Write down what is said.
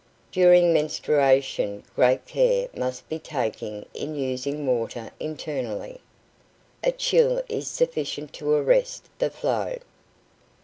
During menstruation great care must be taken in using water internally. A chill is sufficient to arrest the flow.